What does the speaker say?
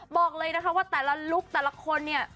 บอกเลยนะคะว่าแต่ละลุคแต่ละคนเนี่ย